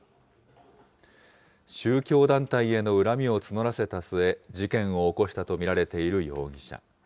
宗教団体への恨みを募らせた末、事件を起こしたと見られている容疑者。